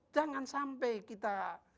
jangan sampai kita